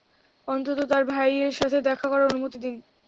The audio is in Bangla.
অন্তত তার ভাইয়ের সাথে দেখা করার অনুমতি দিন।